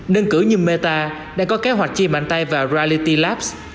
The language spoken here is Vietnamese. nâng cử như meta đã có kế hoạch chia mạnh tay vào reality labs